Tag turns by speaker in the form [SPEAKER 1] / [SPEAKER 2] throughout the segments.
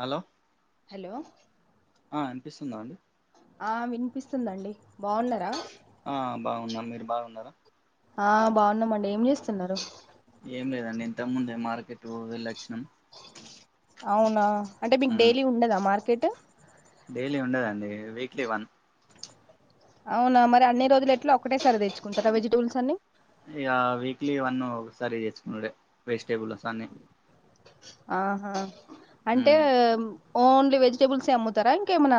[SPEAKER 1] hello
[SPEAKER 2] hello
[SPEAKER 1] ఆ వినిపిస్తుందా అండి
[SPEAKER 2] ఆ వినిపిస్తుందండి బాగున్నారా
[SPEAKER 1] ఆ బాగున్నం మీరు బాగున్నారా
[SPEAKER 2] ఆ బాగున్నామండి ఏం చేస్తున్నారు
[SPEAKER 1] ఏం లేదండి ఇంతకు ముందే మార్కెట్ వెళ్ళొచ్చినాం
[SPEAKER 2] అవునా అంటే మీకు
[SPEAKER 1] మ్
[SPEAKER 2] డైలీ ఉండదా మార్కెట్
[SPEAKER 1] డైలీ ఉండదండి వీక్లీ వన్
[SPEAKER 2] అవునా మరి అన్ని రోజులు ఎట్లా ఒకటే సారి తెచ్చుంటారా వెజిటబుల్స్ అన్ని
[SPEAKER 1] ఇగ వీక్లీ వన్ ఒకసారి తెచ్చుకొనుడే వెజిటేబుల్స్ అన్ని
[SPEAKER 2] ఆహా అంటే
[SPEAKER 1] మ్
[SPEAKER 2] ఓన్లీ వెజిటేబుల్సే అమ్ముతారా ఇంకేమనా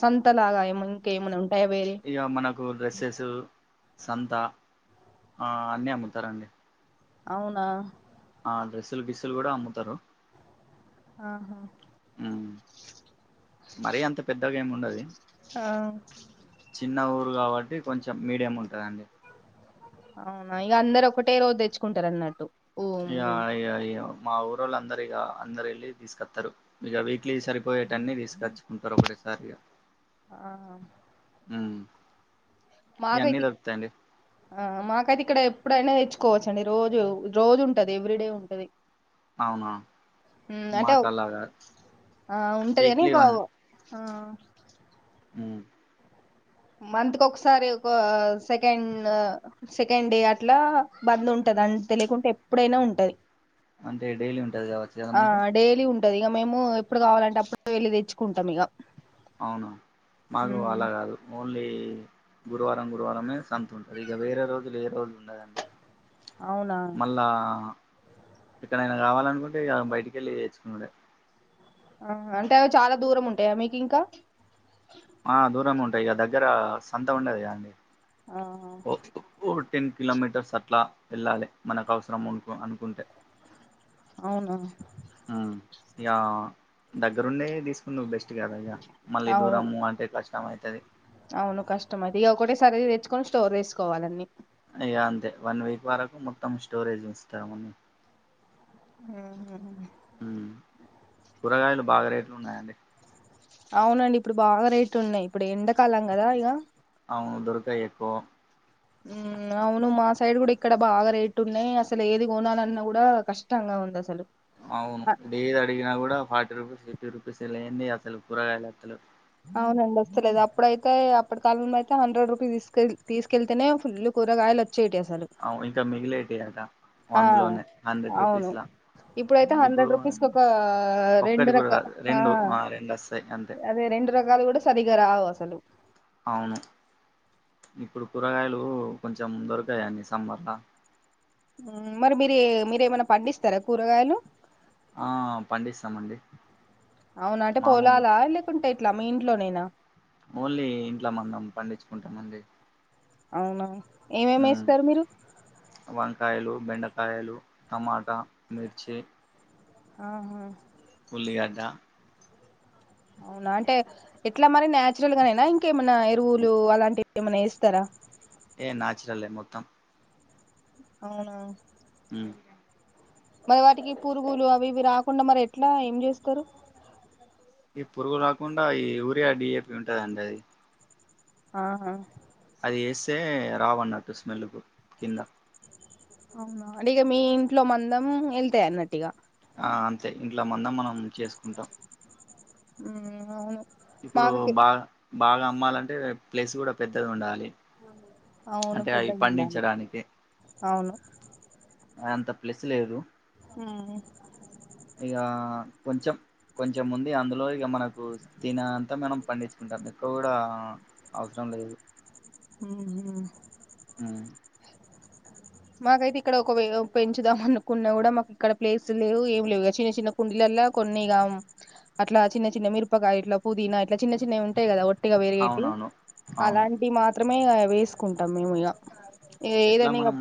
[SPEAKER 2] సంతలాగా ఇంకేమైన్నా
[SPEAKER 1] ఇగ మనకు డ్రెస్సెస్ సంత ఆ అన్నీ అమ్ముతారండి
[SPEAKER 2] అవునా
[SPEAKER 1] ఆ డ్రెస్సులు గిస్సులు కూడా అమ్ముతారు
[SPEAKER 2] ఆహా
[SPEAKER 1] హ్మ్ మరీ అంత పెద్దగా ఏమి ఉండది
[SPEAKER 2] ఆ
[SPEAKER 1] చిన్న ఊరు కాబట్టి కొంచెం మీడియం ఉంటదండి
[SPEAKER 2] అవునా ఇగ అందరు ఒకటే రోజు దెచ్చుకుంటారు అన్నట్టు ఓ
[SPEAKER 1] య
[SPEAKER 2] మీ
[SPEAKER 1] య య మా ఊరోళ్ళు అందరు ఇగ అందరెళ్ళి తీస్కత్తరు ఇగ వి ఇట్లీ సరిపోయేట అన్ని తీసుకొచ్చుకుంటారు ఒకటిసారి ఇగ
[SPEAKER 2] ఆ
[SPEAKER 1] మ్
[SPEAKER 2] మాకు మాకు అయితే ఇక్కడ ఇప్పుడైనా ఇచ్చుకోవచ్చండి రోజు రోజు ఉంటది ఎవ్రీడే ఉంటది
[SPEAKER 1] అవునా
[SPEAKER 2] ఉమ్ అంటే
[SPEAKER 1] మాకు అలా కాదు
[SPEAKER 2] ఆ ఉంటది అని
[SPEAKER 1] వీక్లీ
[SPEAKER 2] ఇంకో
[SPEAKER 1] వన్
[SPEAKER 2] ఆ
[SPEAKER 1] మ్
[SPEAKER 2] మంత్కి ఒకసారి ఒక సెకండ్ సెకండ్ డే అట్లా బంద్ ఉంటది నన్ తెలియకుంటే ఎప్పుడైనా ఉంటది
[SPEAKER 1] అంటే డైలీ ఉంటది కావచ్చు కదా
[SPEAKER 2] ఆ
[SPEAKER 1] మీకు
[SPEAKER 2] డైలీ ఉంటది ఇగ మేము ఎప్పుడు కావాలంటే అప్పుడు వెళ్ళి తెచ్చుకుంటాం ఇగ
[SPEAKER 1] అవును మాకు అలా కాదు ఓన్లీ గురువారం గురువారమే సంత ఉంటది ఇగ వేరే రోజులు ఏ రోజులు ఉండదండి
[SPEAKER 2] అవునా
[SPEAKER 1] మళ్ళా ఇక్కడైన కావాలనుకుంటే బయటికెళ్ళి తెచ్చుకొనుడే
[SPEAKER 2] ఆ అంటే అవి చాలా దూరం ఉంటాయా మీకు ఇంకా
[SPEAKER 1] ఆ దూరంగ ఉంటాయి ఇగ దగ్గర సంత ఉండదిగ అండి
[SPEAKER 2] ఆ,
[SPEAKER 1] ఓ ఓ టెన్ కిలోమీటర్స్ అట్లా వెళ్ళాలి మనకు అవసరం ఉన్ అను ఉంటే
[SPEAKER 2] అవునా
[SPEAKER 1] మ్ యా దగ్గరుండే తీసుకొనుడు బెస్ట్ కద ఇగ మళ్ళీ
[SPEAKER 2] అవును
[SPEAKER 1] దూరము అంటే కష్టం అయితది
[SPEAKER 2] అవును కష్టం అది ఇక ఒకటే సారి తెచ్చుకొని స్టోర్ చేసుకోవాలన్నీ
[SPEAKER 1] ఇగ అంతే వన్ వీక్ వరకు మొత్తం స్టోరేజ్ ఉంచుతామని
[SPEAKER 2] మ్ హు
[SPEAKER 1] లున్నాయండి
[SPEAKER 2] అవునండి ఇప్పుడు బాగా రేట్లు ఉన్నాయ్ ఇప్పుడు ఎండకాలం కదా ఇగ
[SPEAKER 1] అవును దుర్గయకో
[SPEAKER 2] ఉమ్ అవును మా సైడ్ కూడా ఇక్కడ బాగా రేట్లున్నయ్ అసలు ఏది కొనాలన్నా కూడా కష్టంగా ఉంది అసలు
[SPEAKER 1] అవును డేది అడిగిన కూడా ఫార్టీ రుపీస్ ఫిఫ్టీ రూపీస్ లేంది అసలు కూరగాయలు వత్తలే
[SPEAKER 2] అవునండి వస్తలేదు అప్పుడైతే అప్పటి కాలంలో అయితే హండ్రెడ్ రూపీస్ తీసుకెళ్ తీసుకెళ్తేనే ఫుల్ కూరగాయలు వచ్చేటి అసలు
[SPEAKER 1] అవును ఇంకా మిగిలేది కద
[SPEAKER 2] ఆ అవును ఇప్పుడైతే
[SPEAKER 1] ఇప్పుడు
[SPEAKER 2] హండ్రెడ్ రూపీస్ ఒక
[SPEAKER 1] ఒక్కటి
[SPEAKER 2] రెండు
[SPEAKER 1] కూడా
[SPEAKER 2] రక
[SPEAKER 1] కాదు
[SPEAKER 2] ఆ
[SPEAKER 1] రెండు రెండు వస్తాయి అంతే
[SPEAKER 2] అదే రె రెండు రకాలు కూడా సరిగ్గా రావు అసలు
[SPEAKER 1] అవును ఇప్పుడు కూరగాయలు కొంచెం దొరకాయండి సమ్మర్ల
[SPEAKER 2] మరి మీరు మీరెమైనా పండిస్తారా కూరగాయలు
[SPEAKER 1] ఆ పండిస్తామండి
[SPEAKER 2] అవున అంటే
[SPEAKER 1] మామూలు
[SPEAKER 2] పోొలాల లేకుంటే ఇట్ల మీ ఇంట్లోనేనా
[SPEAKER 1] ఓన్లీ ఇంట్లో మనం పండించుకుంటామండి
[SPEAKER 2] అవునా ఏమేమి
[SPEAKER 1] మ్మ్
[SPEAKER 2] వేస్తారు మీరు
[SPEAKER 1] వంకాయలు బెండకాయలు టమాటా మిర్చి
[SPEAKER 2] ఆహ
[SPEAKER 1] లిగ దా
[SPEAKER 2] అవునా అంటే ఎట్లా మరి న్యాచురల్ గా నెనా ఇంకేమైనా ఎరువులు అలాంటివి ఏమైనా వేస్తారా
[SPEAKER 1] ఏ నాచరలె మొత్తం
[SPEAKER 2] అవునా
[SPEAKER 1] ఉ
[SPEAKER 2] మరి వాటికి పురుగులు అవి ఇవి రాకుండ మరి ఎట్లా ఏం చేస్తారు
[SPEAKER 1] ఈ పురుగు రాకుండా ఈ ఊరియా డిఏపి ఉంటదండి అది
[SPEAKER 2] ఆహ
[SPEAKER 1] అది వేస్తె రావన్నటు స్మెల్ కింద
[SPEAKER 2] అవునాంే ఇక మీ ఇంట్లో మందం వెళ్తె అన్నట్టుగా
[SPEAKER 1] ఆ అంతే ఇంట్లో మంద మనం చేసుకుంటాం
[SPEAKER 2] మ్ అవును
[SPEAKER 1] ఇప్పుడు
[SPEAKER 2] మాకకి
[SPEAKER 1] బాగ బాగ అమ్మాలంటే ప్లేస్ కూడా పెద్దది ఉండాలి
[SPEAKER 2] అవును
[SPEAKER 1] అంటే అవి
[SPEAKER 2] పెద్దగా ఉండాలి
[SPEAKER 1] పండించడానికి
[SPEAKER 2] అవును
[SPEAKER 1] అంత ప్లెస్ లేదు
[SPEAKER 2] ఉ
[SPEAKER 1] కొంచం కొంచం ఉంది అందులో ఇక మనకు తిన అంతా మనం పండించుకుంటాం ఎక్కువ కూడా అవసరం లేదు
[SPEAKER 2] ఉహు
[SPEAKER 1] ఉ
[SPEAKER 2] మాకైతే ఇక్కడ ఒక పెంచుదాం అనుకున్న కూడ మాకు ఇక్కడ ప్లేస్ లేవు ఏమి లేవు చిన్న చిన్న కుండిల లా కొన్నిగా అట్ల చిన్న చిన్న మిరపకాయ ఇట్లా పుదీనా ఇట్ల చిన్న చిన్నవి ఉంటాయి కదా ఒట్టిగా పెరిగేటి
[SPEAKER 1] అవునవును అవును
[SPEAKER 2] అలాంటి మాత్రం టవి మాత్రమే వేసుకుంటాం మేము ఇ
[SPEAKER 1] ఎట్లా మనం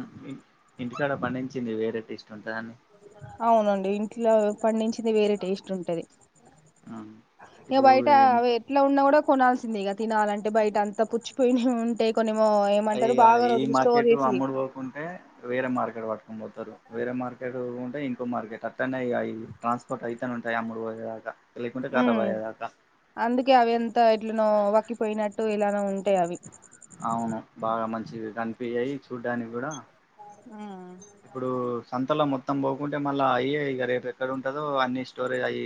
[SPEAKER 1] ఇంటికాడ పండించింది వేరే టేస్ట్ ఉంటదండి
[SPEAKER 2] అవునండి ఇంట్లో పండించినవి వేరే టేస్ట్ ఉంటది ఇగ
[SPEAKER 1] ఇప్పుడు
[SPEAKER 2] బయట
[SPEAKER 1] ఈ-
[SPEAKER 2] అవి ఎట్లా ఉన్నా కూడా కొనాల్సింది ఇక తినాలంటే బయట అంతా పుచ్చిపోయి ఉంటే కొన్ని
[SPEAKER 1] అయి ఈ మార్కెట్ అమ్ముడు పోకుంటే వేరే మార్కెట్ పట్టుకొని పోతారు వేరే మార్కెట్ ఇంకో మార్కెట్ అట్టనె ట్రాన్స్పోర్ట్ అయిత ఉంటాయి ఆ మూడు రోజుల్ దాగా
[SPEAKER 2] ఉ అందుకే అవి అంత ఎట్లనో వక్కిపోయినట్టు ఇలానే ఉంటాయి అవి
[SPEAKER 1] అవును బాగ మంచివి కనిపించయి అవిచూడ్డానికి కూడా కుంటే మళ్ళా అయ్యయి ఇక రేపు ఎక్కడ ఉంటదో అన్ని స్టోరేజ్ అయి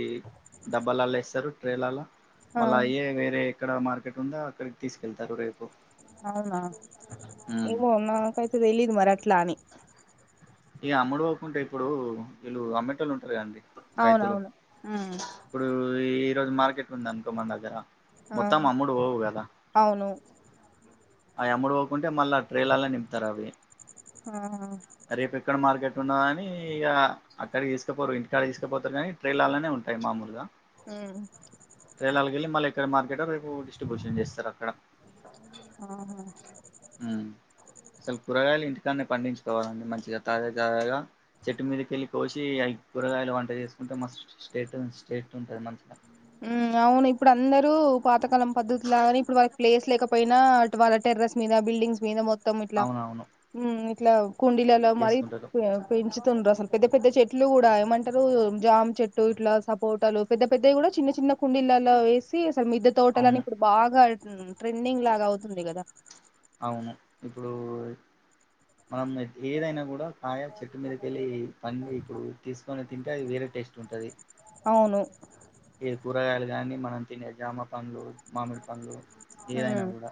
[SPEAKER 1] డబ్బలల్లా వేస్తరు ట్రేలలా
[SPEAKER 2] ఆ
[SPEAKER 1] మళ్ళ అయే వేరే ఎక్కడ మార్కెట్ ఉందో అక్కడికి తీసుకెళ్తారు రేపు
[SPEAKER 2] అవునా ఏమో నాకైతే తెలీదు మరి అట్లా అని
[SPEAKER 1] ఈ అమ్ముడు పోకు ఉంటే ఇప్పుడు వీళ్ళు అమ్మె టోల్లు ఉంటా అండి రైతులు
[SPEAKER 2] అవునవును
[SPEAKER 1] ఇప్పుడు ఈ రోజు మార్కెట్ ఉంది అనుకో మన దగ్గర
[SPEAKER 2] ఆ
[SPEAKER 1] మొత్తం అమ్ముడు పోవు కదా
[SPEAKER 2] అవును
[SPEAKER 1] అవి అమ్ముడు పోకుంటే మళ్ళా ఆ ట్రైలల్ల నింపుతారు అవి
[SPEAKER 2] ఆా
[SPEAKER 1] రేపు ఎక్కడ మార్కెట్ ఉన్న కాని ఇగ అక్కడకి తీసుకపోరు ఇంటికాడ తీసుకపోతారు కానీ ట్రైలల్లనే ఉంటాయి మామూలుగా
[SPEAKER 2] ఉమ్
[SPEAKER 1] ట్రేలల్లకేలీ మళ్ళ ఎక్కడ మార్కెట్ ఒ అక్ డిస్ట్రిబ్యూషన్ చేస్తారు అక్కడ
[SPEAKER 2] ఆహా
[SPEAKER 1] మ్ అసలు కూరగాయలు ఇంటికాన్నే పండించుకోవాలండి మంచ్ చిగా తాజా తాజాగా చెట్టు మీదికెళ్ళి కోసి అయి కూరగాయలు వంట చేసుకుంటే మాస్త్ స్టేట్ టెస్ట్ ఉంటది మంచిగా
[SPEAKER 2] మ్ అవును ఇప్పుడు అందరూ పాతకాలం పద్ధతి లాగానే ఇప్పుడు వాళ్లకు ప్లేస్ లేకపోయినా అటు వాళ్ళ టెర్రెస్ మీదా బిడింగ్స్ మీద మొ తం ఇట్లా
[SPEAKER 1] అవునవును
[SPEAKER 2] మ్ ఇట్లా కుండలళ్ళో మరి
[SPEAKER 1] చేసుకుంటారు
[SPEAKER 2] పెంచుతుండ్రు అసలు పెద్ద పెద్ద చెట్లు కూడా ఏమంటారు జామ్ చెట్టు ఇట్లా సపోటలు పెద్ద పెద్దయి కూడా చిన్న చిన్న కుండీలలో వేసి అసలు మీద్ద తోటలని
[SPEAKER 1] అవును
[SPEAKER 2] ఇప్పుడు బాగా మ్ ట్రెండింగ్ లాగా అవుతుంది కదా
[SPEAKER 1] అవును ఇప్పుడు మనం ఏదైనా కూడా కాయన్ చెట్టు మీదకెళ్ళి పండు ఇప్పుడు తీసుకొని తింటే అది వేరే టేస్ట్ ఉం ఉంటది
[SPEAKER 2] అవును
[SPEAKER 1] ఏ కూరగాయలు గని మనం తినే జామ పండ్లు మామిడి పండ్లు ఏదైన
[SPEAKER 2] ఉమ్
[SPEAKER 1] కూడా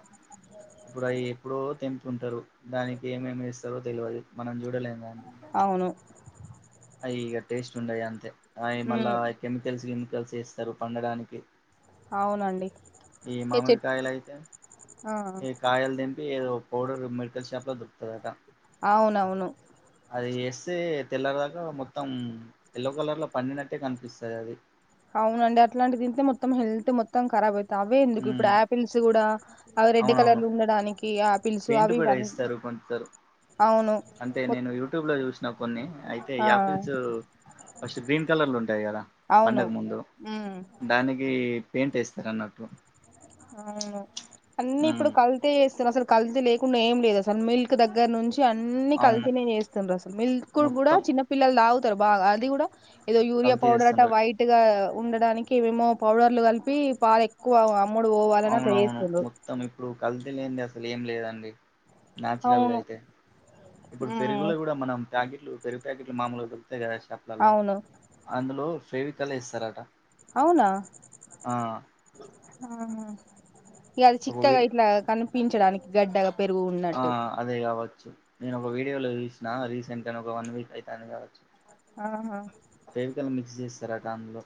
[SPEAKER 1] ఇప్పుడు అవి ఎప్పుడో తెంపుంటారు దానికి ఏమేమి వేస్తారో తెలియదు మనం చూడలేము కదా అండి
[SPEAKER 2] అవును
[SPEAKER 1] అవి ఇగ టేస్ట్ ఉండయి అంతే అవి మళ్ళా
[SPEAKER 2] ఉమ్
[SPEAKER 1] కెమికల్స్ కెమికల్స్ వేస్తారు పండడానికి
[SPEAKER 2] అవునండి
[SPEAKER 1] ఏ మామిడి కాయలైతే
[SPEAKER 2] ఆ
[SPEAKER 1] ఈ కాయలు తెంపి ఏదో పౌడర్ మెడికల్ షాప్ లో దొరుకుతదట
[SPEAKER 2] అవునవును
[SPEAKER 1] ఎస్తే తెల్లరే దాకా మొత్తం ఎల్లో కలర్ ల పండినట్టే కనిపిస్తది అది
[SPEAKER 2] అవునండి అట్లాంటివి తింటే మొత్తం హెల్త్ మొత్తంఖరాబ్ అవుతది అవే ఎందుకు ఇప్పుడు
[SPEAKER 1] ఉమ్
[SPEAKER 2] ఆపిల్స్ కూడా అవి రెడ్ కలర్ల
[SPEAKER 1] అవునవును
[SPEAKER 2] ఉండడానికి ఆపిల్స్
[SPEAKER 1] పెయింట్
[SPEAKER 2] అవి
[SPEAKER 1] కూడా
[SPEAKER 2] ఇవన్
[SPEAKER 1] ఏస్తారు కొంతరు అంటే నేను యూట్యూబ్ ల చూస్ కొన్ని అయితే
[SPEAKER 2] ఆ
[SPEAKER 1] యాపిల్స్ ఫస్ట్ గ్రీన్ కలర్ల ఉంటాయి కదా
[SPEAKER 2] అవును
[SPEAKER 1] పండక ముందు
[SPEAKER 2] ఉమ్
[SPEAKER 1] దానికి పెయింట్ ఎస్తారన్నట్టు
[SPEAKER 2] అవును అన్నిీ ఇప్పుడు కల్తీ చేస్తారు అసలు కల్తీ లేకుండా ఏం లేదు అసలు మిల్క్ దగ్గర నుంచి అన్ని
[SPEAKER 1] అవును
[SPEAKER 2] కల్తీనే చేస్తుంర్రు అసలు మిల్క్ కూడా
[SPEAKER 1] మొత్తం
[SPEAKER 2] చిన్న పిల్లలు తాగుతారు బాగా అది కూడా ఏదో యూరియా
[SPEAKER 1] కల్తీ
[SPEAKER 2] పౌడర్ అట
[SPEAKER 1] చేస్తుండ్రు
[SPEAKER 2] వైట్ గా ఉండడానికి మేమో పౌడర్లు కలిపి పాలేక్కువ
[SPEAKER 1] అవునవును మొత్తం ఇప్పుడు కల్ ల్తీ లేంది అసలు ఏం లేదండి నాచురల్ గా
[SPEAKER 2] అవును
[SPEAKER 1] అయితే ఇప్పుడు
[SPEAKER 2] ఉమ్
[SPEAKER 1] పెరుగుల కూడా మనం ప్యాకెట్లు పెరుగు ప్యాకెట్లు మామూలుగా దొలుతాయి కదా షాప్లలో
[SPEAKER 2] అవును
[SPEAKER 1] అందులో ఫేవిికల్ ఎస్తారట
[SPEAKER 2] అవునా ఆ ఇగ అది
[SPEAKER 1] ఒక వి
[SPEAKER 2] చిక్కగా ఇట్లా కనిపించడానికి గడ్డగా పెరుగు
[SPEAKER 1] ఆ
[SPEAKER 2] ఉన్నట్టు
[SPEAKER 1] అదే కావచ్చు నేను ఒక వీడియో లో చూసిన రీసెంట్గానే ఒక వన్ వీక్ అయితంది కావచ్చు
[SPEAKER 2] ఆహా
[SPEAKER 1] ఫెవికల్ మిక్స్ీ చేస్తారా దాంట్లో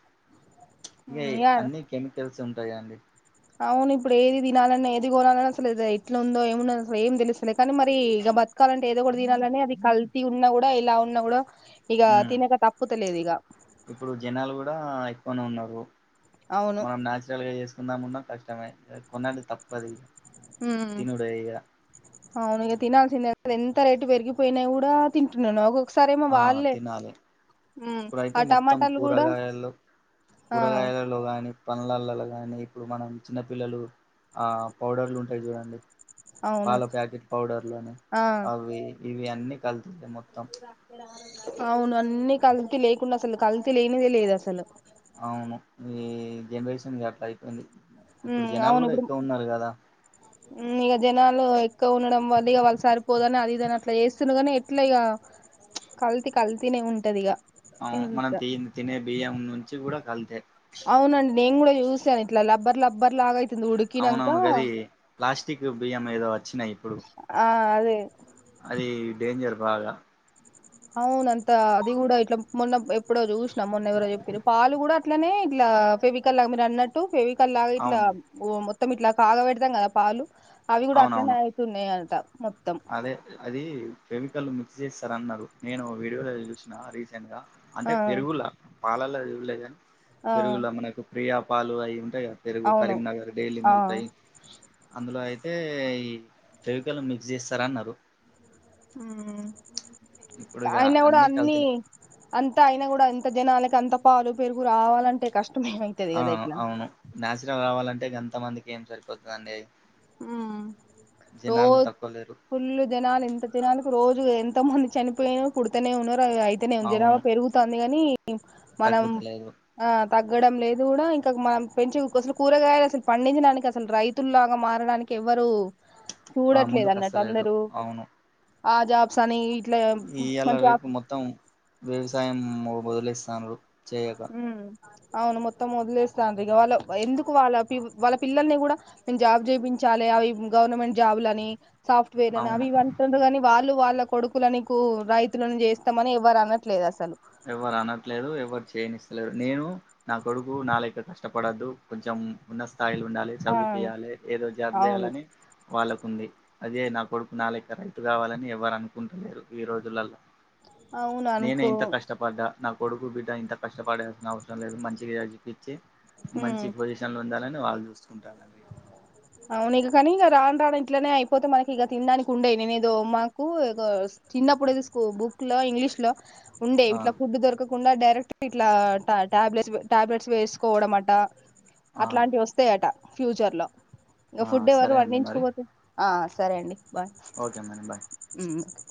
[SPEAKER 1] ఇగ అన్నిీ కెమికల్స్ ఉంటాయి కదండీ
[SPEAKER 2] అవును ఇప్పుడు ఏది తినాలన్న ఏది కొనాలన్న అసలు ఇట్లా ఉందో ఏమున్నాదో అసలు ఏం తెలుస్తలేద్ కానీ మరి ఇగ బ కాలంటే ఏదో ఒక్కటి తినాలనే అది కల్తీ ఉన్నా కూడా ఎలా ఉన్నా కూడా ఇక
[SPEAKER 1] ఉమ్
[SPEAKER 2] తినక తప్పుత లేదు ఇక
[SPEAKER 1] ఓనో ఉన్నారు మనం నాచురల్ గా చేసుకుందామున్నా కష్టమే కొనాలి తప్పదు ఇగ
[SPEAKER 2] హు
[SPEAKER 1] తినుడే ఇగ
[SPEAKER 2] అవును ఇంకా తినాల్సిందే అది ఎంత రేటు పెరిగిపోయినా కూడా తింటున్నాను ఒక్కసారి ఏమో
[SPEAKER 1] ఆ
[SPEAKER 2] వాళ్ళే
[SPEAKER 1] తినాలి
[SPEAKER 2] ఉహ్మ్ ఆ టమాటాలు కూడా ఆ
[SPEAKER 1] కూరగాయలు లో గాని పనుల్లలో గానీ ఇప్పుడు మనం చిన్నపిల్లలు ఆ పౌడర్లు ఉంటాయి చూడండి
[SPEAKER 2] అవును
[SPEAKER 1] పాల ప్యాకెట్ పౌడర్ లోని
[SPEAKER 2] ఆ
[SPEAKER 1] అవి ఇవి అన్నీ కల్తీలే మొత్తం
[SPEAKER 2] అవును అన్ని కల్తీలే లేకుండా అసలు కల్తి లేనిదే లేదు అసలు
[SPEAKER 1] అవును ఈ జనరేషన్ ఎట్ల అయిపోయింది ఇప్పుడు జనాలు కూడా ఎక్కువ ఉన్నారు కదా
[SPEAKER 2] ఉ ఇక జనాలు ఎక్కువ ఉండడం వల్ల ఇక వాళ్ళు సరిపో కానీ అది ఇదని అట్లా చేస్తున్నా గాని ఎట్లా ఇగ ఉచ్ కల్తీ కల్తీ గానే ఉంటది ఇగ
[SPEAKER 1] అవ్ మనం
[SPEAKER 2] ఎంత
[SPEAKER 1] తిమ్ తినే బియ్యం నుంచి కూడా కళ్తే
[SPEAKER 2] అవునండి నేను కూడా చూసాన్ ఇట్ల లబ్బర్ లబ్బర్ లాగా అయితుంది ఉడికినంక
[SPEAKER 1] అవునవును గది ప్లాస్టిక్ బియ్యం మేదో వచ్చినాయి ఇప్పుడు
[SPEAKER 2] ఆ అదే
[SPEAKER 1] అది డేంజర్ బాగా
[SPEAKER 2] అవునంతా అది కూడా ఇట్లా మొన్న బ ఎప్పుడో చూసినా మొన్న ఎవరో పాలు కూడా అట్లనే ఇట్ల ఆ పేవికల్ లాగా మీరు అన్నట్టు ఫేవ్ కల్లాగా ఇట్లా
[SPEAKER 1] అవును
[SPEAKER 2] మొత్తం ఇట్లా కాగ పెడతాం కదా పాలు అవి కూడా
[SPEAKER 1] అవునవును
[SPEAKER 2] అట్లనే అవుతున్నాయి అంట మొత్తం
[SPEAKER 1] అదే అది ఫెవికాల్ మిక్స్ చేస్తార అన్నారు నేను వీడియోలో చూసిన రీసెంట్ గా అంటే
[SPEAKER 2] ఆ
[SPEAKER 1] పెరుగుల పాలలో చులే కాని
[SPEAKER 2] ఆ
[SPEAKER 1] పెరుగుల మనకు ప్రియా పాలు అవి ఉంటాయి కధ పెరుగు
[SPEAKER 2] అవును
[SPEAKER 1] కరీంనగర్ డైలీ
[SPEAKER 2] ఆ
[SPEAKER 1] మిగులుతాయి అందులో అయితే అంటే ఈ ఫెవికాల్ మిక్స్ చేస్తారు అన్నారు
[SPEAKER 2] ఉ క
[SPEAKER 1] ఇగ
[SPEAKER 2] అయిన కూడా అన్ని
[SPEAKER 1] కల్తీలే
[SPEAKER 2] అంతా అయినా కూడా ఎంత జనాల గంత పాలు పెరుగు రావాలంటే కష్
[SPEAKER 1] ఆ అవును నాచురల్ గా కావాలంటే గంత మందికి ఏం సరిపోతాదండి
[SPEAKER 2] ఉ రో
[SPEAKER 1] తక్కువ లేరు
[SPEAKER 2] ఫుల్ జనాలు ఎంత జనాలనికి రోజు ఇప్పుడు ఎంత మంది చనిపోయినా పుడుతానే ఉన్నారు బాగా అయితానే జనాభా
[SPEAKER 1] అవును
[SPEAKER 2] పెరుగుతోంది కానీ మనం
[SPEAKER 1] తగ్గుతలేదు
[SPEAKER 2] ఆ తగ్గడం లేదు కూడా ఇంకా మనం పెంచే కు సలు కూరగాయలు అసలు పండించడానికి అసలు రైతులు లాగా మత్ తినడానికి ఎవరు
[SPEAKER 1] ఆ
[SPEAKER 2] చూడట్లేదు
[SPEAKER 1] ముందుకు
[SPEAKER 2] అన్నట్టు
[SPEAKER 1] అస్తలేదు
[SPEAKER 2] అందరు ఆ జాబ్స్ అని ఇట్లా
[SPEAKER 1] ఈయలా
[SPEAKER 2] మంచి ఆ
[SPEAKER 1] రేపు మొత్తం వ్యవసాయం వదిలేస్తన్నారు వదిలేస్తారు
[SPEAKER 2] హు అవును మొత్తం వదిలేస్తాండ్రిగా వాళ్ళ ఎందుకు వాళ్ళ పి పిల్లల్ని కూడా మేము జాబ్ చేపించ్ చాలే అవి గవర్నమెంట్ జాబ్ లు అని సాఫ్ట్వేర్ అని
[SPEAKER 1] అవును
[SPEAKER 2] అవి అంటరు కానీ వాళ్ళు వాళ్ళ కు కొడుకుల నికు రైతులను చేస్తామని ఎవ్వరు అనట్లేదు అసలు
[SPEAKER 1] ఎవరు అనట్లేదు ఎవరు చేయనిస్తలేదు నేను నా కొడుకు నా లెక్క కష్టపడద్దు కొంచెం ఉన్న స్థాయిలో ఉండాలి
[SPEAKER 2] ఆ
[SPEAKER 1] చదువు చేయాలి ఏదో జాబ్
[SPEAKER 2] అవును
[SPEAKER 1] చేయాలిని వాళ్లకు ఉంది అదే నా కొడుకు నా లెక్క రైతు కావాలని ఎవరు అనుకుంటలేరు ఈ రోజుల్లో
[SPEAKER 2] అవును అనుకో
[SPEAKER 1] పడ్డ నా కొడుకు బిడ్డ ఇంత కష్టపడాల్సిన అవసరం లేదు మంచిగా చదివి పిచ్చి మంచి
[SPEAKER 2] ఉమ్
[SPEAKER 1] పొజిషన్లో ఉండాలని వాళ్ళు చేసుకుంటున్నారు
[SPEAKER 2] అవును ఇక కానీ ఇక రాను రాను ఇట్నే అయిపోతే మనకి ఇక తినడానికి ఉండయీ నేను ఏదో మాకు ఏదో చిన్న ప్పుడు అది స్కూ బుక్ లో ఇంగ్లీష్ లో ఉండే
[SPEAKER 1] ఆ
[SPEAKER 2] ఇట్లా ఫుడ్ దొరకకుండా డైరెక్ట్ ఇట్లా టాబ్లెట్స్ టాబ్లెట్స్ వేసుకోవడం అట
[SPEAKER 1] ఆ
[SPEAKER 2] అట్లాంటివి వస్తాయట ఫ్యూచర్లో ఇంగ
[SPEAKER 1] ఆ
[SPEAKER 2] ఫుడ్ ఎవరు
[SPEAKER 1] సరే అండి మరి
[SPEAKER 2] పండించుకపోతే ఆ సరే అండి బాయ్
[SPEAKER 1] ఓకే మరి బాయ్
[SPEAKER 2] ఊ